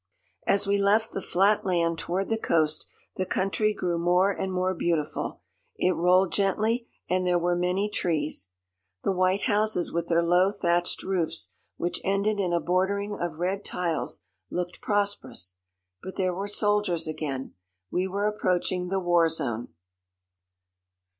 As we left the flat land toward the coast the country grew more and more beautiful. It rolled gently and there were many trees. The white houses with their low thatched roofs, which ended in a bordering of red tiles, looked prosperous. But there were soldiers again. We were approaching the war zone.